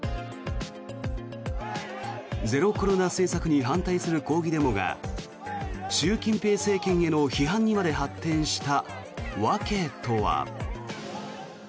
ゼロコロナ政策に反対する抗議デモが習近平政権への批判にまで発展した訳とは。